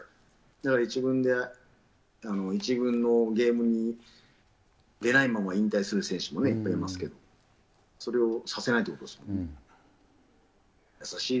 だから１軍のゲームに出ないまま引退する選手もいっぱいいますけど、それをさせないっていうことですもんね。